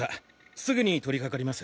すぐに取りかかります！